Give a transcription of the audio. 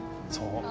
そう。